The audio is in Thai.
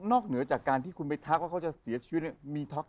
นอกเหนือจากการที่คุณไปทักว่าเขาจะเสียชีวิต